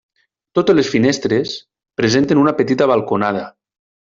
Totes les finestres presenten una petita balconada.